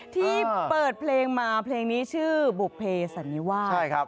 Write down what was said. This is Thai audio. ที่เปิดเพลงมาเพลงนี้ชื่อบุภเพสันนิวาส